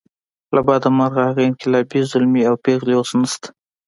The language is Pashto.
له بده مرغه هغه انقلابي زلمي او پېغلې اوس نشته.